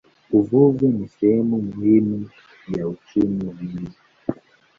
Uvuvi ni sehemu muhimu ya uchumi wa mji.